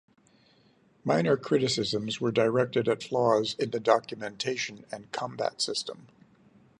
Minor criticisms were directed at flaws in the documentation and combat system.